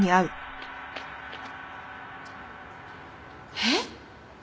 えっ？